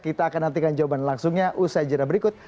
kita akan nantikan jawaban langsungnya usai jenah berikut